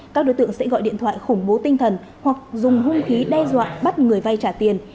các đối tượng sẽ gọi điện thoại khủng bố tinh thần hoặc dùng hung khí đe dọa bắt người vay trả tiền